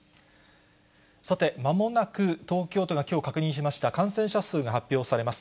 さて、まもなく東京都がきょう確認しました感染者数が発表されます。